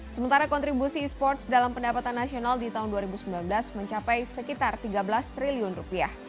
sementara kontribusi e sports dalam pendapatan nasional di tahun dua ribu sembilan belas mencapai sekitar tiga belas triliun rupiah